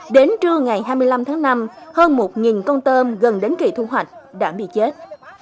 đến trưa ngày hai mươi năm tháng năm hơn một con tôm gần đến kỳ thu hoạch đã bị chết